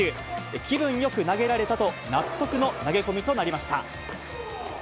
気分よく投げられたと、納得の投げ込みとなりました。